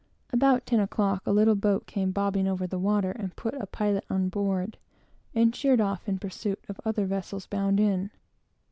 About ten o'clock a little boat came bobbing over the water, and put a pilot on board, and sheered off in pursuit of other vessels bound in.